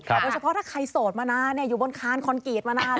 โดยเฉพาะถ้าใครโสดมานานอยู่บนคานคอนกรีตมานาน